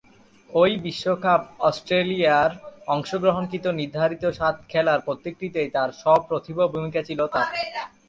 ঐ বিশ্বকাপ অস্ট্রেলিয়ার অংশগ্রহণকৃত নির্ধারিত সাত খেলার প্রত্যেকটিতেই তার সপ্রতিভ ভূমিকা ছিল তার।